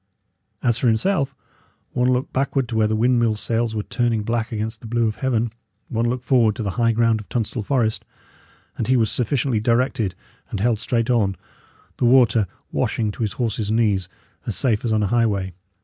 As for himself, one look backward to where the windmill sails were turning black against the blue of heaven one look forward to the high ground of Tunstall Forest, and he was sufficiently directed and held straight on, the water washing to his horse's knees, as safe as on a highway.